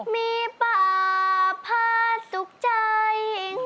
มีป่าพาสุขใจ